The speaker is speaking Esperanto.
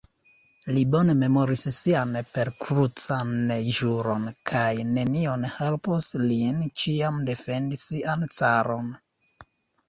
Li bone memoris sian perkrucan ĵuron, kaj nenio malhelpos lin ĉiam defendi sian caron.